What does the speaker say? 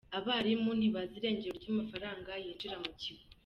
Abarimu ntibazi irengero ry’amafaranga yinjira mu kigo.